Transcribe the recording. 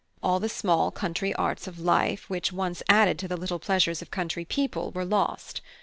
All the small country arts of life which once added to the little pleasures of country people were lost.